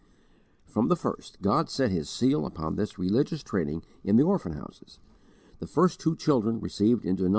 From the first, God set His seal upon this religious training in the orphan houses. The first two children received into No.